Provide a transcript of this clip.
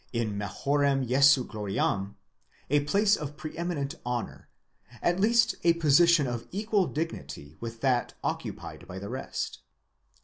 i majorem Jesu gloriam, a place of pre eminent honour, . at least a position of equal dignity with that occupied by the rest.